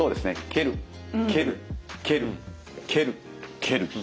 蹴る蹴る蹴る蹴る蹴る。